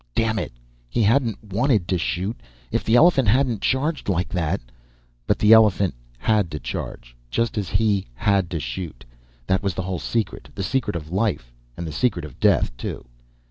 Damn it, he hadn't wanted to shoot. If the elephant hadn't charged like that But the elephant had to charge. Just as he had to shoot. That was the whole secret. The secret of life. And the secret of death, too.